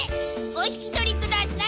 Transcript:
おひきとりください！